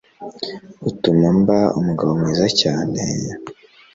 utuma mba umugabo mwiza cyane,